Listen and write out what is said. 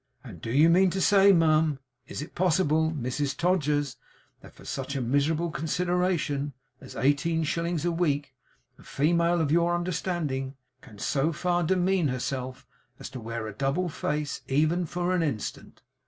'And do you mean to say, ma'am is it possible, Mrs Todgers that for such a miserable consideration as eighteen shillings a week, a female of your understanding can so far demean herself as to wear a double face, even for an instant?